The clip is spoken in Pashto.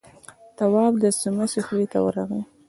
تواب د سمڅې خولې ته ورغی.